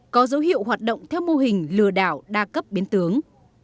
có dấu hiệu hoạt động theo mô hình lừa đảo đa cấp biến tướng